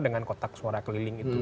dengan kotak suara keliling itu